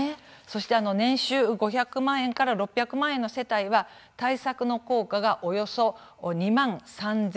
そして年収５００万円から６００万円の世帯は対策の効果がおよそ２万３０００円。